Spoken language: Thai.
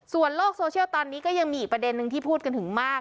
ส่วนโลกโซเชียลตอนนี้ก็ยังมีอีกประเด็นนึงที่พูดกันถึงมาก